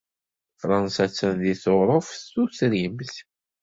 Fṛansa attan deg Tuṛuft Tutrimt.